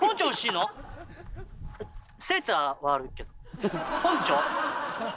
セーターはあるけどポンチョ？